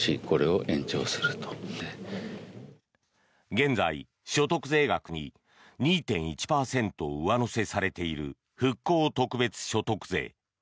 現在、所得税額に２．１％上乗せされている復興特別所得税。